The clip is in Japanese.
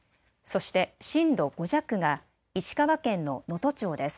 そして震度５弱が石川県の能登町です。